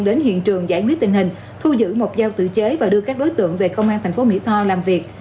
đến hiện trường giải quyết tình hình thu giữ một dao tự chế và đưa các đối tượng về công an thành phố mỹ tho làm việc